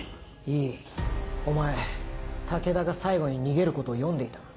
井伊お前武田が最後に逃げることを読んでいたな？